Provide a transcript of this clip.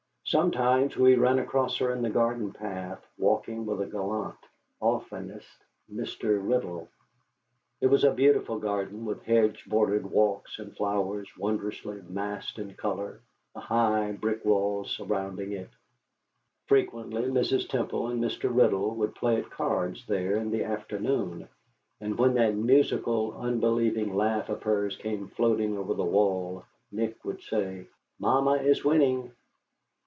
Sometimes we ran across her in the garden paths walking with a gallant, oftenest Mr. Riddle. It was a beautiful garden, with hedge bordered walks and flowers wondrously massed in color, a high brick wall surrounding it. Frequently Mrs. Temple and Mr. Riddle would play at cards there of an afternoon, and when that musical, unbelieving laugh of hers came floating over the wall, Nick would say: "Mamma is winning."